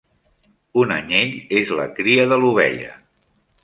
Un anyell és la cria de l'ovella.